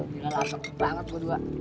gila langsung teranget dua dua